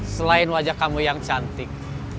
selain wajah kamu yang cantik